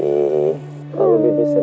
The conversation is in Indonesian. kamu bibi sedih